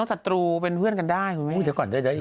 ต้องสัดตรูเป็นเพื่อนกันได้อุ้ยเดี๋ยวก่อนได้เดี๋ยวไอ้